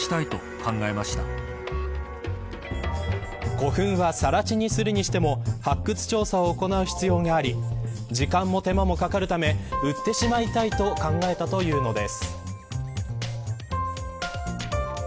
古墳は更地にするにしても発掘調査を行う必要があり時間も手間もかかるため売ってしまいたいと考えたということです。